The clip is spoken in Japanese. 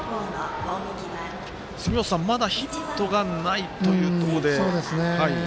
杉本さん、まだヒットがないということで。